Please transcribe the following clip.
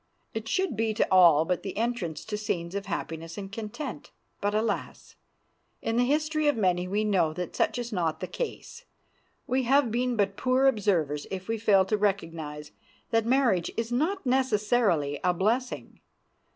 It should be to all but the entrance to scenes of happiness and content. But, alas! in the history of many we know that such is not the case. We have been but poor observers if we fail to recognize that marriage is not necessarily a blessing.